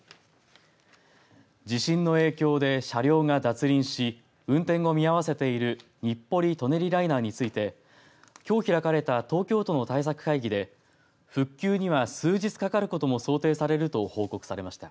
地震の影響で車両が脱輪し運転を見合わせている日暮里・舎人ライナーについてきょう開かれた東京都の対策会議で復旧には数日かかることも想定されると報告されました。